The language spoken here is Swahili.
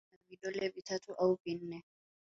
ndege wengine wana vidole vitatu au vinne